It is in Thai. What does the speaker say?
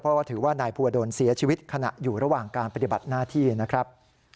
เพราะว่าถือว่านายภูวดลเสียชีวิตขณะอยู่ระหว่างการปฏิบัติหน้าที่นะครับ